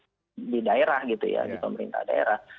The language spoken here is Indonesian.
yang sudah ada di daerah gitu ya di pemerintah daerah